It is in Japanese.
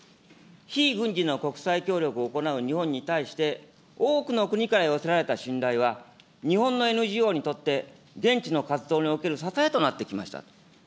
非軍事での国際協力を行う日本に対して、多くの国から寄せられた信頼は、日本のＮＧＯにとって現地の活動における支えとなってきましたと。